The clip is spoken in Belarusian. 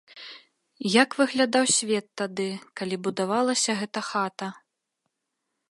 Як выглядаў свет тады, калі будавалася гэта хата?